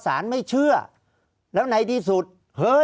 ภารกิจสรรค์ภารกิจสรรค์